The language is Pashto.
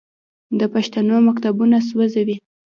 د پښتنو مکتبونه سوځوي.